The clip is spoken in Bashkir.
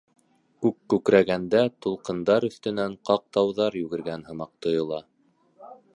Күк күкрәгәндә тулҡындар өҫтөнән ҡаҡ тауҙар йүгергән һымаҡ тойола.